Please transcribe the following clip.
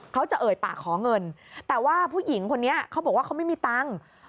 เขาจะเอ่ยปากขอเงินแต่ว่าผู้หญิงคนนี้เขาบอกว่าเขาไม่มีตังค์